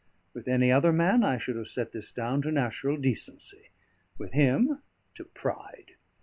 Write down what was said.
With any other man I should have set this down to natural decency; with him, to pride.